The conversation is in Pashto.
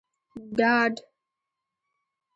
ډاډ